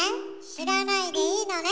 「知らない」でいいのね？